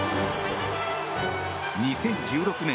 ２０１６年